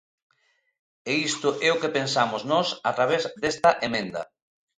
E isto é o que pensamos nós a través desta emenda.